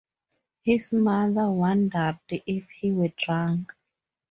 His mother wondered if he were drunk.